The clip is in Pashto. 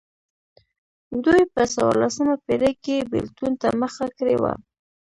دوی په څوارلسمه پېړۍ کې بېلتون ته مخه کړې وه.